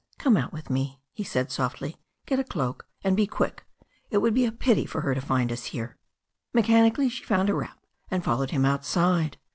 "Come out with me," he said softly. "Get a cloak. And be quick. It would be a pity for her to find us here." Mechanically she found a wrap and followed him outside.